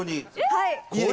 はい。